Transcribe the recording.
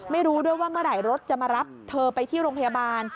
ไม่รู้ด้วยว่าเมื่อไหร่รถจะมารับเธอไปที่โรงพยาบาล